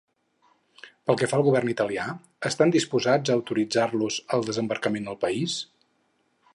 Pel que fa al govern d'Itàlia, estan predisposats a autoritzar-los el desembarcament al país?